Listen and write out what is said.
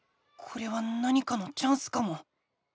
これは何かのチャンスかも。